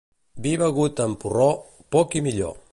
Vi begut amb porró, poc i millor.